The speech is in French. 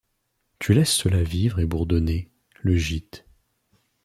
Tu laisses cela vivre et bourdonner. Le gîte